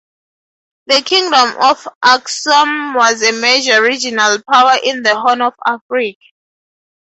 The Kingdom of Aksum was a major regional power in the Horn of Africa.